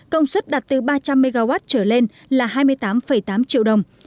công suất đặt từ ba trăm linh mw trở lên là hai mươi tám tám triệu đồng